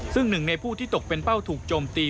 ซึ่งหนึ่งในผู้ที่ตกเป็นเป้าถูกโจมตี